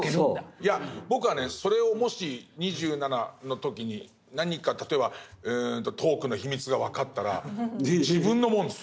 いや僕はねそれをもし２７の時に何か例えばトークの秘密が分かったら自分のもんです。